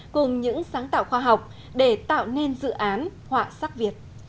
cùng những sáng tạo khoa học để tạo nên dự án họa sắc việt